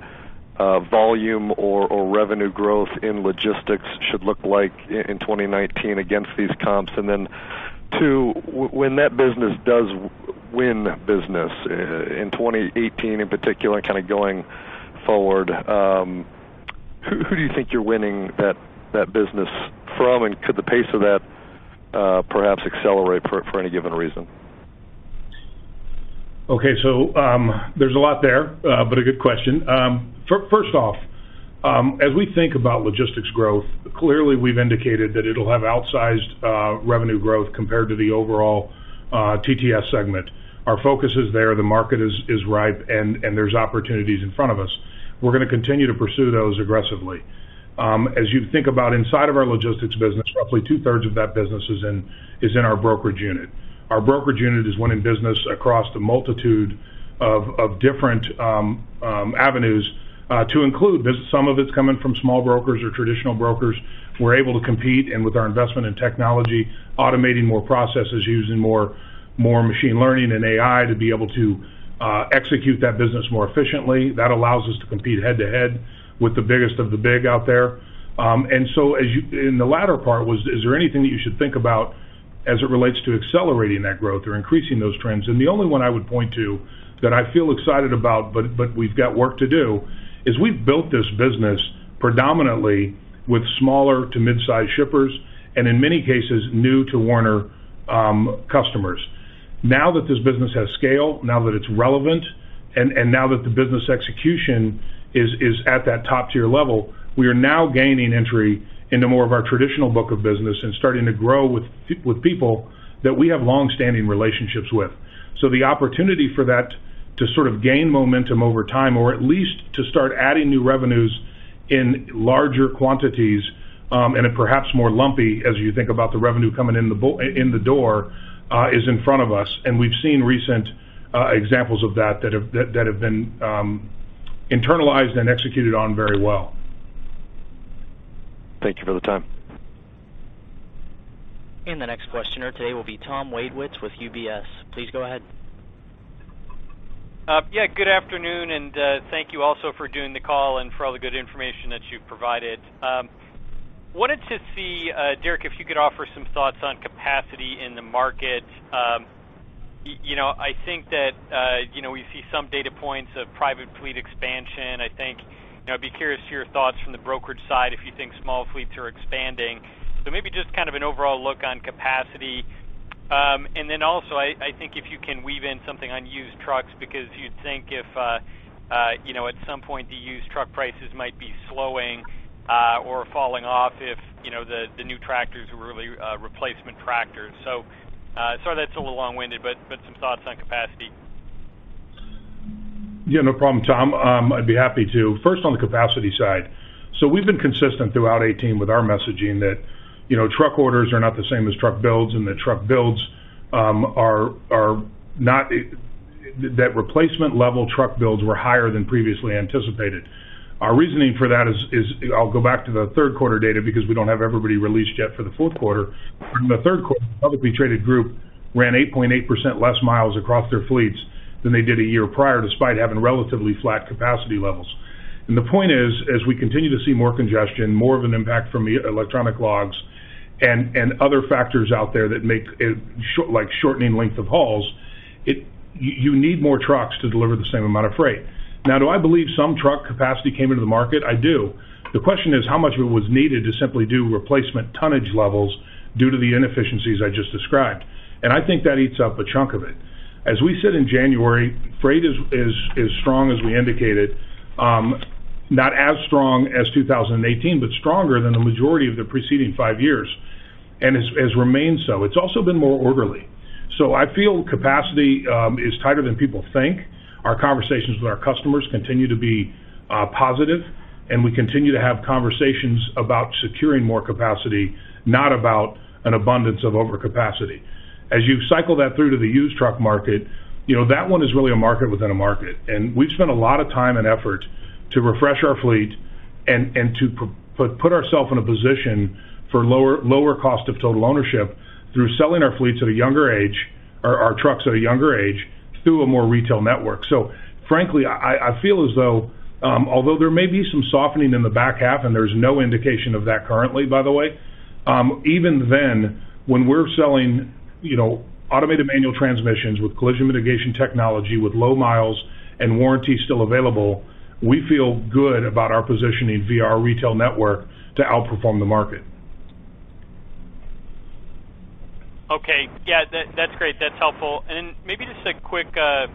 volume or revenue growth in Logistics should look like in 2019 against these comps? And then, two, when that business does win business in 2018, in particular, kind of going forward, who do you think you're winning that business from? And could the pace of that perhaps accelerate for any given reason? Okay, so, there's a lot there, but a good question. First off, as we think about Logistics growth, clearly, we've indicated that it'll have outsized revenue growth compared to the overall TTS segment. Our focus is there, the market is ripe, and there's opportunities in front of us. We're gonna continue to pursue those aggressively. As you think about inside of our Logistics business, roughly 2/3 of that business is in our brokerage unit. Our brokerage unit is winning business across the multitude of different avenues to include this. Some of it's coming from small brokers or traditional brokers. We're able to compete, and with our investment in technology, automating more processes, using more machine learning and AI to be able to execute that business more efficiently, that allows us to compete head-to-head with the biggest of the big out there. And so as you and the latter part was, is there anything that you should think about as it relates to accelerating that growth or increasing those trends? And the only one I would point to that I feel excited about, but we've got work to do, is we've built this business predominantly with smaller to mid-size shippers, and in many cases, new to Werner customers. Now that this business has scale, now that it's relevant, and now that the business execution is at that top-tier level, we are now gaining entry into more of our traditional book of business and starting to grow with people that we have long-standing relationships with. So the opportunity for that to sort of gain momentum over time, or at least to start adding new revenues in larger quantities, and it perhaps more lumpy as you think about the revenue coming in bulk in the door, is in front of us, and we've seen recent examples of that that have been internalized and executed on very well. Thank you for the time. The next questioner today will be Tom Wadewitz with UBS. Please go ahead. Yeah, good afternoon, and thank you also for doing the call and for all the good information that you've provided. Wanted to see, Derek, if you could offer some thoughts on capacity in the market. You know, I think that, you know, we see some data points of private fleet expansion. I think, you know, I'd be curious to your thoughts from the brokerage side, if you think small fleets are expanding. So maybe just kind of an overall look on capacity. And then also, I think if you can weave in something on used trucks, because you'd think if, you know, at some point, the used truck prices might be slowing, or falling off if, you know, the new tractors were really, replacement tractors. Sorry, that's a little long-winded, but some thoughts on capacity. Yeah, no problem, Tom. I'd be happy to. First, on the capacity side, so we've been consistent throughout 2018 with our messaging that, you know, truck orders are not the same as truck builds, and the truck builds are not... That replacement level truck builds were higher than previously anticipated. Our reasoning for that is, I'll go back to the third quarter data because we don't have everybody released yet for the fourth quarter. In the third quarter, publicly traded group ran 8.8% less miles across their fleets than they did a year prior, despite having relatively flat capacity levels. The point is, as we continue to see more congestion, more of an impact from the electronic logs and other factors out there that make it, short—like, shortening length of hauls, you need more trucks to deliver the same amount of freight. Now, do I believe some truck capacity came into the market? I do. The question is, how much of it was needed to simply do replacement tonnage levels due to the inefficiencies I just described? And I think that eats up a chunk of it. As we sit in January, freight is strong as we indicated, not as strong as 2018, but stronger than the majority of the preceding five years, and it has remained so. It's also been more orderly. So I feel capacity is tighter than people think. Our conversations with our customers continue to be positive, and we continue to have conversations about securing more capacity, not about an abundance of overcapacity. As you cycle that through to the used truck market, you know, that one is really a market within a market, and we've spent a lot of time and effort to refresh our fleet and to put ourselves in a position for lower cost of total ownership through selling our fleets at a younger age, or our trucks at a younger age, through a more retail network. So frankly, I feel as though, although there may be some softening in the back half, and there's no indication of that currently, by the way... Even then, when we're selling, you know, automated manual transmissions with collision mitigation technology, with low miles and warranty still available, we feel good about our positioning via our retail network to outperform the market. Okay. Yeah, that, that's great. That's helpful. And maybe just a quick, I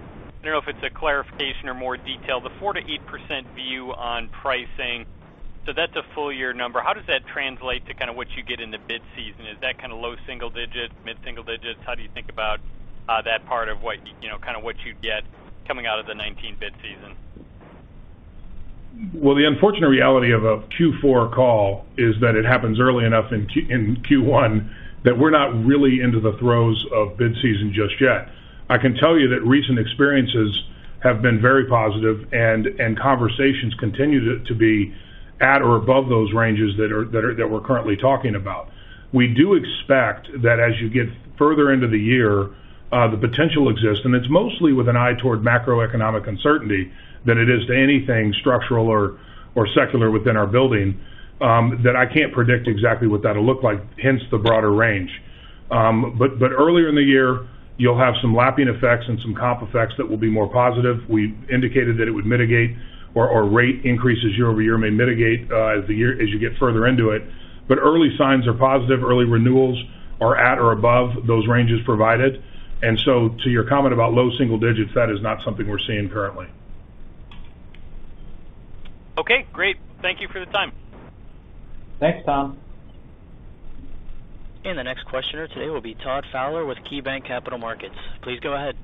don't know if it's a clarification or more detail, the 4%-8% view on pricing, so that's a full year number. How does that translate to kinda what you get in the bid season? Is that kinda low single digit, mid single digits? How do you think about, that part of what, you know, kinda what you'd get coming out of the 2019 bid season? Well, the unfortunate reality of a Q4 call is that it happens early enough in Q1, that we're not really into the throes of bid season just yet. I can tell you that recent experiences have been very positive and conversations continue to be at or above those ranges that we're currently talking about. We do expect that as you get further into the year, the potential exists, and it's mostly with an eye toward macroeconomic uncertainty, than it is to anything structural or secular within our building, that I can't predict exactly what that'll look like, hence the broader range. But earlier in the year, you'll have some lapping effects and some comp effects that will be more positive. We indicated that it would mitigate, or rate increases year-over-year may mitigate, as you get further into it. But early signs are positive, early renewals are at or above those ranges provided. And so to your comment about low single digits, that is not something we're seeing currently. Okay, great. Thank you for the time. Thanks, Tom. The next questioner today will be Todd Fowler with KeyBanc Capital Markets. Please go ahead.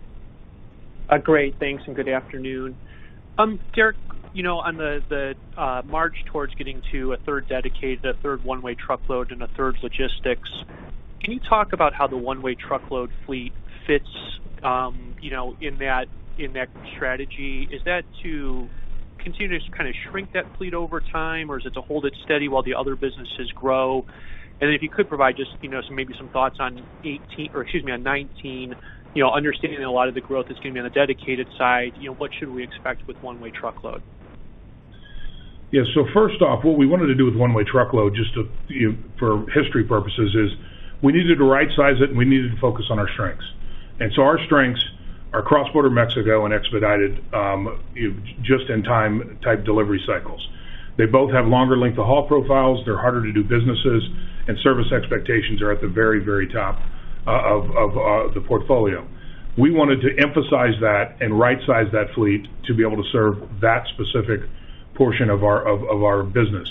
Great, thanks, and good afternoon. Derek, you know, on the march towards getting to a third Dedicated, a third One-Way Truckload, and a third Logistics, can you talk about how the One-Way Truckload fleet fits, you know, in that strategy? Is that to continue to kind of shrink that fleet over time, or is it to hold it steady while the other businesses grow? If you could provide just, you know, some, maybe some thoughts on 2019, you know, understanding that a lot of the growth is gonna be on the Dedicated side, you know, what should we expect with One-Way Truckload? Yeah. So first off, what we wanted to do with One-Way Truckload, just to, you know, for history purposes, is we needed to right size it, and we needed to focus on our strengths. And so our strengths are cross-border Mexico and expedited, just-in-time type delivery cycles. They both have longer length of haul profiles, they're harder to do businesses, and service expectations are at the very, very top of the portfolio. We wanted to emphasize that and right size that fleet to be able to serve that specific portion of our, of, of our business.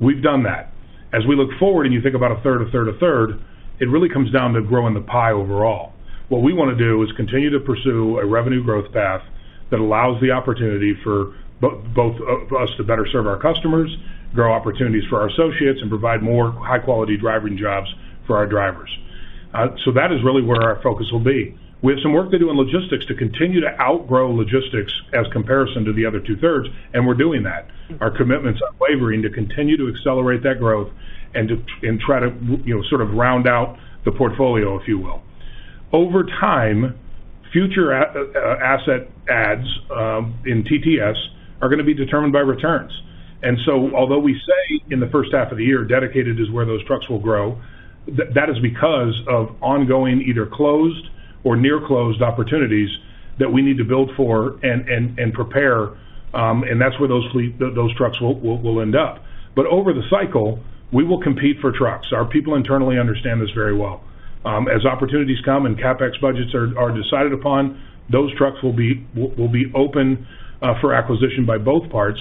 We've done that. As we look forward, and you think about a third, a third, a third, it really comes down to growing the pie overall. What we wanna do is continue to pursue a revenue growth path that allows the opportunity for both us to better serve our customers, grow opportunities for our associates, and provide more high-quality driving jobs for our drivers. So that is really where our focus will be. We have some work to do in Logistics to continue to outgrow Logistics as comparison to the other 2/3, and we're doing that. Our commitment's unwavering to continue to accelerate that growth and try to, you know, sort of round out the portfolio, if you will. Over time, future asset adds in TTS are gonna be determined by returns. And so although we say in the first half of the year, Dedicated is where those trucks will grow, that is because of ongoing, either closed or near closed opportunities that we need to build for and prepare, and that's where those trucks will end up. But over the cycle, we will compete for trucks. Our people internally understand this very well. As opportunities come and CapEx budgets are decided upon, those trucks will be open for acquisition by both parts,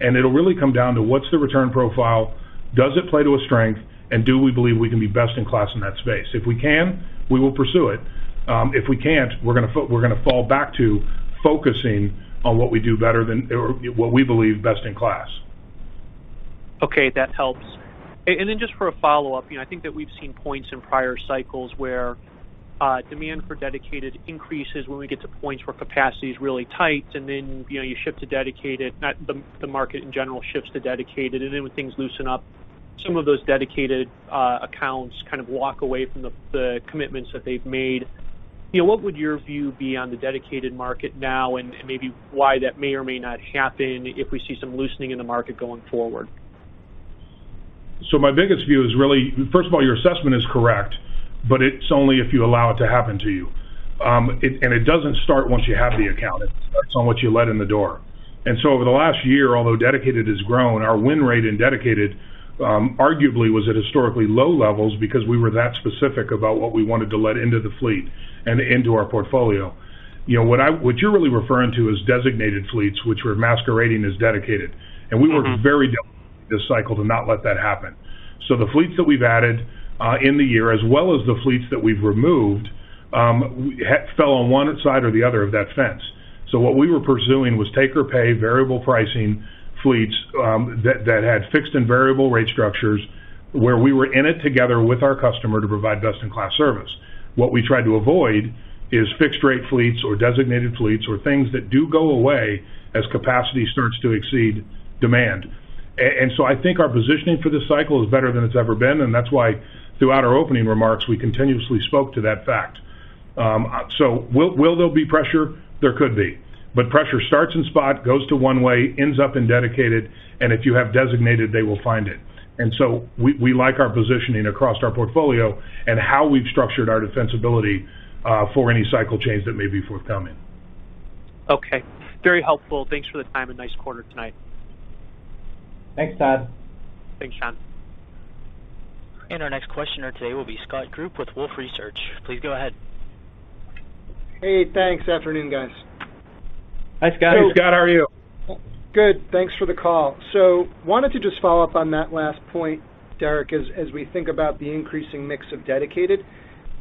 and it'll really come down to what's the return profile, does it play to a strength, and do we believe we can be best in class in that space? If we can, we will pursue it. If we can't, we're gonna fall back to focusing on what we do better than... Or what we believe best-in-class. Okay, that helps. And then just for a follow-up, you know, I think that we've seen points in prior cycles where demand for Dedicated increases when we get to points where capacity is really tight, and then, you know, you ship to Dedicated, not the market in general shifts to Dedicated, and then when things loosen up, some of those Dedicated accounts kind of walk away from the commitments that they've made. You know, what would your view be on the Dedicated market now and maybe why that may or may not happen if we see some loosening in the market going forward? So my biggest view is really, first of all, your assessment is correct, but it's only if you allow it to happen to you. And it doesn't start once you have the account, it starts on what you let in the door. And so over the last year, although Dedicated has grown, our win rate in Dedicated, arguably was at historically low levels because we were that specific about what we wanted to let into the fleet and into our portfolio. You know, what you're really referring to is designated fleets, which were masquerading as Dedicated, and we worked very deeply this cycle to not let that happen. So the fleets that we've added, in the year, as well as the fleets that we've removed, fell on one side or the other of that fence. So what we were pursuing was take or pay variable pricing fleets, that had fixed and variable rate structures, where we were in it together with our customer to provide best-in-class service. What we tried to avoid is fixed rate fleets or Dedicated fleets or things that do go away as capacity starts to exceed demand. And so I think our positioning for this cycle is better than it's ever been, and that's why throughout our opening remarks, we continuously spoke to that fact. So will there be pressure? There could be, but pressure starts in spot, goes to one way, ends up in Dedicated, and if you have Dedicated, they will find it. And so we like our positioning across our portfolio and how we've structured our defensibility, for any cycle change that may be forthcoming. Okay, very helpful. Thanks for the time, and nice quarter tonight. Thanks, Todd. Thanks, John. Our next questioner today will be Scott Group with Wolfe Research. Please go ahead. Hey, thanks. Afternoon, guys. Hi, Scott. Hey, Scott, how are you? Good. Thanks for the call. So wanted to just follow up on that last point, Derek, as we think about the increasing mix of Dedicated,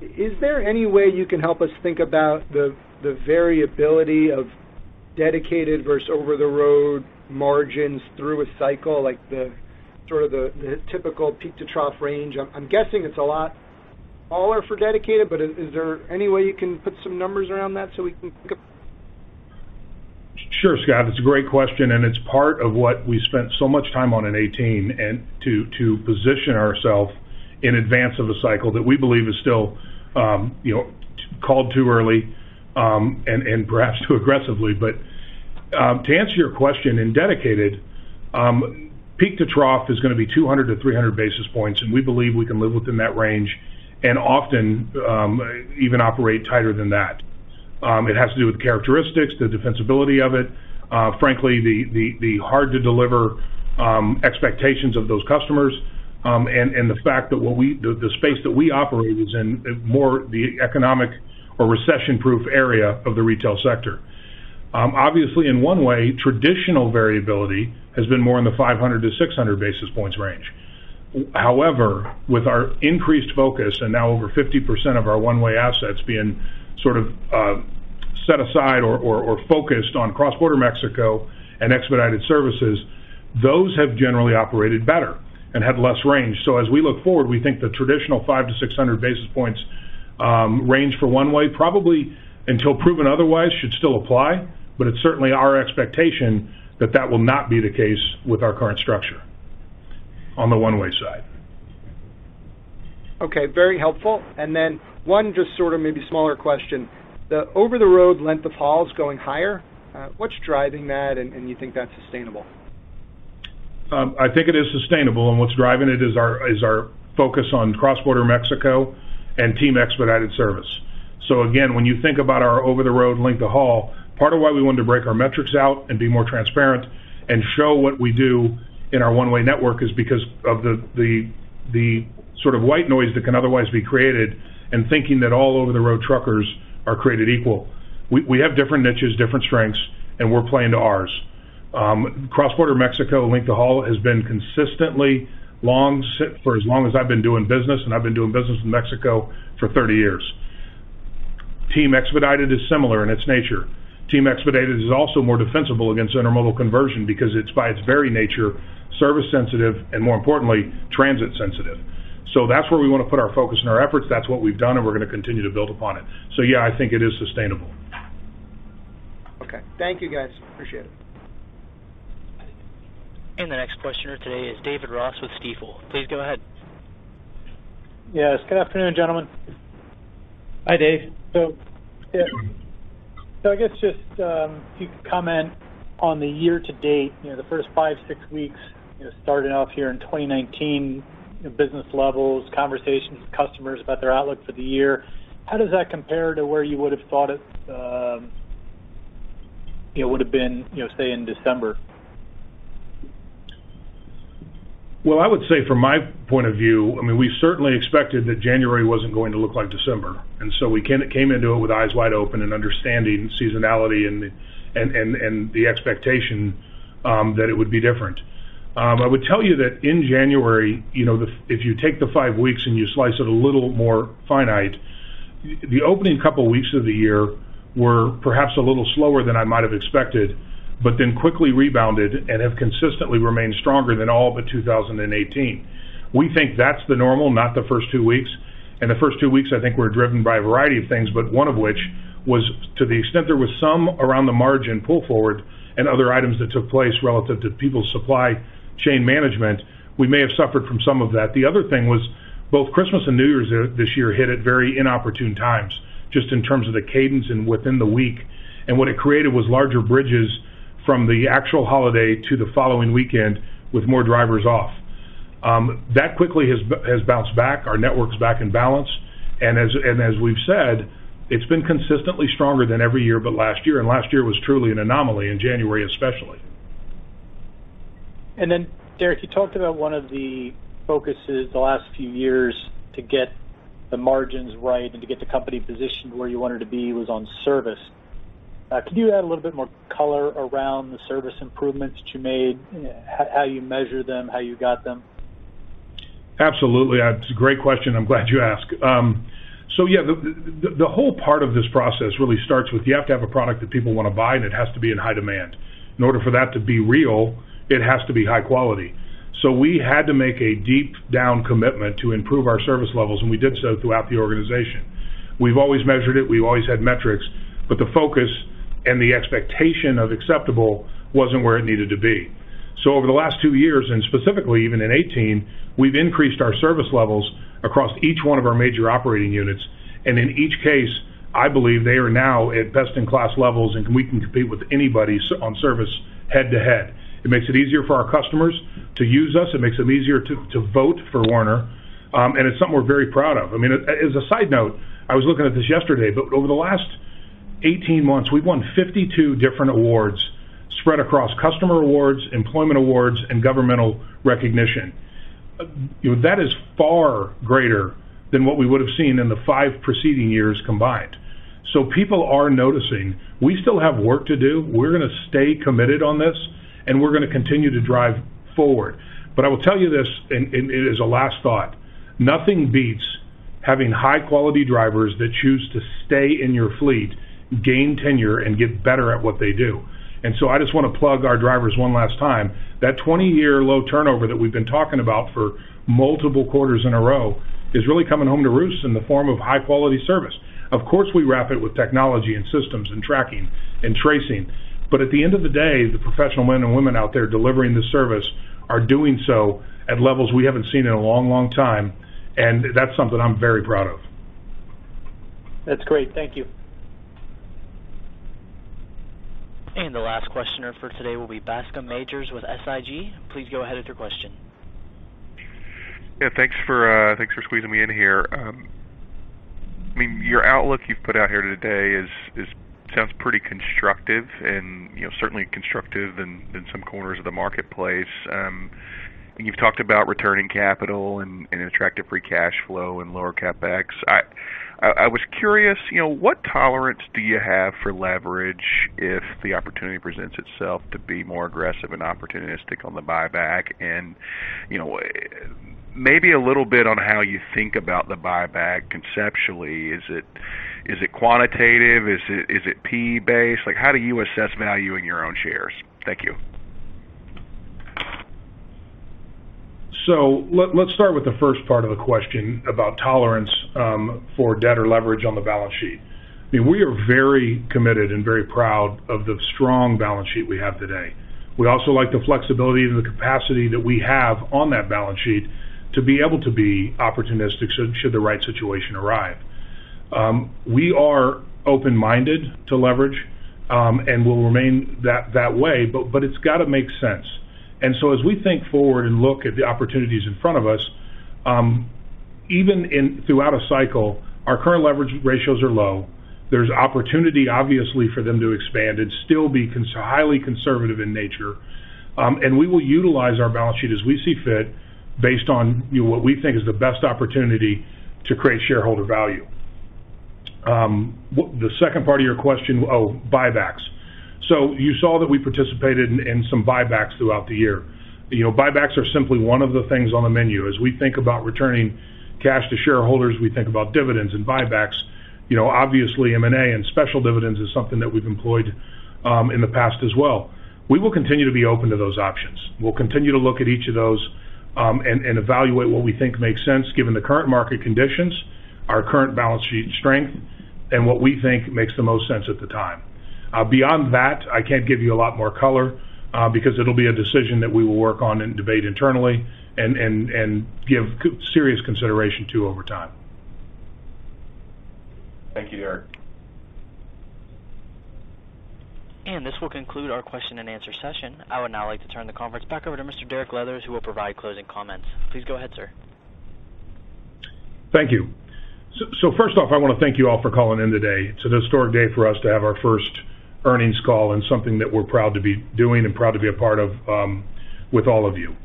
is there any way you can help us think about the variability of Dedicated versus over-the-road margins through a cycle, like the sort of the typical peak-to-trough range? I'm guessing it's a lot all are for Dedicated, but is there any way you can put some numbers around that so we can think of? Sure, Scott, it's a great question, and it's part of what we spent so much time on in 2018, and to position ourself in advance of a cycle that we believe is still, you know, called too early, and perhaps too aggressively. But to answer your question, in Dedicated, peak to trough is going to be 200-300 basis points, and we believe we can live within that range, and often, even operate tighter than that. It has to do with the characteristics, the defensibility of it, frankly, the hard-to-deliver expectations of those customers, and the fact that what we-- the space that we operate is in more the economic or recession-proof area of the retail sector. Obviously, in one way, traditional variability has been more in the 500-600 basis points range. However, with our increased focus, and now over 50% of our One-Way assets being sort of set aside or focused on cross-border Mexico and expedited services, those have generally operated better and had less range. So as we look forward, we think the traditional 500-600 basis points range for one way, probably until proven otherwise, should still apply, but it's certainly our expectation that that will not be the case with our current structure on the One-Way side. Okay, very helpful. And then one just sort of maybe smaller question, the over-the-road length of hauls going higher, what's driving that, and you think that's sustainable? I think it is sustainable, and what's driving it is our, is our focus on cross-border Mexico and Team Expedited service. So again, when you think about our over-the-road length of haul, part of why we wanted to break our metrics out and be more transparent and show what we do in our One-Way network is because of the sort of white noise that can otherwise be created and thinking that all over-the-road truckers are created equal. We have different niches, different strengths, and we're playing to ours. Cross-border Mexico length of haul has been consistently long since for as long as I've been doing business, and I've been doing business in Mexico for 30 years. Team Expedited is similar in its nature. Team Expedited is also more defensible against intermodal conversion because it's, by its very nature, service sensitive and, more importantly, transit sensitive. So that's where we want to put our focus and our efforts. That's what we've done, and we're going to continue to build upon it. So yeah, I think it is sustainable. Okay. Thank you, guys. Appreciate it. The next questioner today is David Ross with Stifel. Please go ahead. Yes, good afternoon, gentlemen. Hi, Dave. So, yeah, so I guess just, if you could comment on the year-to-date, you know, the first 5-6 weeks, you know, starting off here in 2019, business levels, conversations with customers about their outlook for the year, how does that compare to where you would have thought it, you know, would have been, you know, say, in December? Well, I would say from my point of view, I mean, we certainly expected that January wasn't going to look like December, and so we came into it with eyes wide open and understanding seasonality and the expectation that it would be different. I would tell you that in January, you know, the... If you take the five weeks and you slice it a little more finite, the opening couple of weeks of the year were perhaps a little slower than I might have expected, but then quickly rebounded and have consistently remained stronger than all but 2018. We think that's the normal, not the first two weeks, and the first two weeks, I think, were driven by a variety of things, but one of which was to the extent there was some around the margin pull forward and other items that took place relative to people's supply chain management, we may have suffered from some of that. The other thing was both Christmas and New Year's Eve this year hit at very inopportune times, just in terms of the cadence and within the week. What it created was larger bridges from the actual holiday to the following weekend with more drivers off. That quickly has bounced back, our network's back in balance, and as we've said, it's been consistently stronger than every year but last year, and last year was truly an anomaly in January, especially. And then, Derek, you talked about one of the focuses the last few years to get the margins right and to get the company positioned where you wanted to be was on service. Could you add a little bit more color around the service improvements that you made, how you measure them, how you got them? Absolutely. That's a great question. I'm glad you asked. So yeah, the whole part of this process really starts with, you have to have a product that people want to buy, and it has to be in high demand. In order for that to be real, it has to be high quality. So we had to make a deep down commitment to improve our service levels, and we did so throughout the organization. We've always measured it, we've always had metrics, but the focus and the expectation of acceptable wasn't where it needed to be.... So over the last two years, and specifically even in 2018, we've increased our service levels across each one of our major operating units, and in each case, I believe they are now at best-in-class levels, and we can compete with anybody, on service head-to-head. It makes it easier for our customers to use us, it makes it easier to vote for Werner, and it's something we're very proud of. I mean, as a side note, I was looking at this yesterday, but over the last 18 months, we've won 52 different awards spread across customer awards, employment awards, and governmental recognition. That is far greater than what we would have seen in the five preceding years combined. So people are noticing. We still have work to do. We're going to stay committed on this, and we're going to continue to drive forward. But I will tell you this, and as a last thought, nothing beats having high-quality drivers that choose to stay in your fleet, gain tenure, and get better at what they do. And so I just want to plug our drivers one last time. That 20-year low turnover that we've been talking about for multiple quarters in a row is really coming home to roost in the form of high-quality service. Of course, we wrap it with technology and systems and tracking and tracing, but at the end of the day, the professional men and women out there delivering the service are doing so at levels we haven't seen in a long, long time, and that's something I'm very proud of. That's great. Thank you. The last questioner for today will be Bascome Majors with SIG. Please go ahead with your question. Yeah, thanks for squeezing me in here. I mean, your outlook you've put out here today sounds pretty constructive and, you know, certainly constructive in some corners of the marketplace. You've talked about returning capital and attractive free cash flow and lower CapEx. I was curious, you know, what tolerance do you have for leverage if the opportunity presents itself to be more aggressive and opportunistic on the buyback? And, you know, maybe a little bit on how you think about the buyback conceptually. Is it quantitative? Is it PE-based? Like, how do you assess value in your own shares? Thank you. Let's start with the first part of the question about tolerance for debt or leverage on the balance sheet. I mean, we are very committed and very proud of the strong balance sheet we have today. We also like the flexibility and the capacity that we have on that balance sheet to be able to be opportunistic should the right situation arrive. We are open-minded to leverage and will remain that way, but it's got to make sense. And so as we think forward and look at the opportunities in front of us, even throughout a cycle, our current leverage ratios are low. There's opportunity, obviously, for them to expand and still be conservative. Highly conservative in nature. And we will utilize our balance sheet as we see fit based on, you know, what we think is the best opportunity to create shareholder value. The second part of your question, oh, buybacks. So you saw that we participated in some buybacks throughout the year. You know, buybacks are simply one of the things on the menu. As we think about returning cash to shareholders, we think about dividends and buybacks. You know, obviously, M&A and special dividends is something that we've employed, in the past as well. We will continue to be open to those options. We'll continue to look at each of those, and evaluate what we think makes sense given the current market conditions, our current balance sheet strength, and what we think makes the most sense at the time. Beyond that, I can't give you a lot more color, because it'll be a decision that we will work on and debate internally and give serious consideration to over time. Thank you, Derek. This will conclude our question-and-answer session. I would now like to turn the conference back over to Mr. Derek Leathers, who will provide closing comments. Please go ahead, sir. Thank you. So first off, I want to thank you all for calling in today. It's an historic day for us to have our first earnings call, and something that we're proud to be doing and proud to be a part of, with all of you.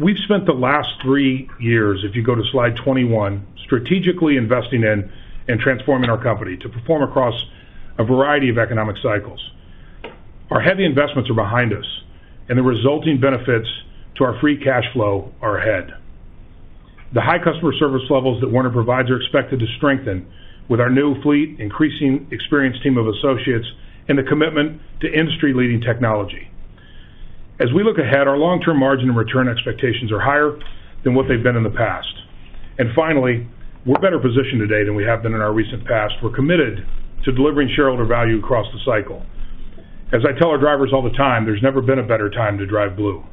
We've spent the last three years, if you go to slide 21, strategically investing in and transforming our company to perform across a variety of economic cycles. Our heavy investments are behind us, and the resulting benefits to our free cash flow are ahead. The high customer service levels that Werner provides are expected to strengthen with our new fleet, increasing experienced team of associates, and a commitment to industry-leading technology. As we look ahead, our long-term margin and return expectations are higher than what they've been in the past. Finally, we're better positioned today than we have been in our recent past. We're committed to delivering shareholder value across the cycle. As I tell our drivers all the time, there's never been a better time to Drive Blue.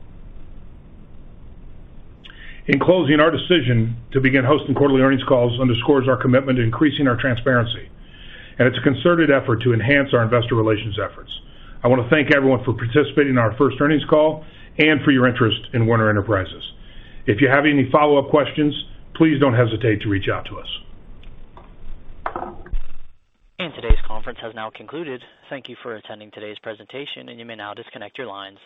In closing, our decision to begin hosting quarterly earnings calls underscores our commitment to increasing our transparency, and it's a concerted effort to enhance our Investor Relations efforts. I want to thank everyone for participating in our first earnings call and for your interest in Werner Enterprises. If you have any follow-up questions, please don't hesitate to reach out to us. Today's conference has now concluded. Thank you for attending today's presentation, and you may now disconnect your lines.